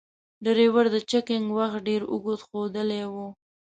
ډریور د چکینګ وخت ډیر اوږد ښودلای و.